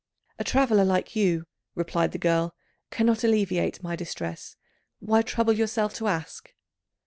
"A traveller like you," replied the girl, "cannot alleviate my distress; why trouble yourself to ask?"